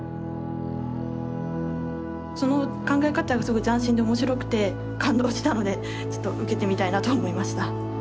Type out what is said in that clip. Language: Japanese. その考え方がすごい斬新で面白くて感動したのでちょっと受けてみたいなと思いました。